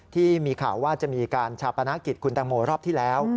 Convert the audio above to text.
ที่มีข่าวว่าจะมีการชาปนกิจคุณแตงโมรอบที่แล้ว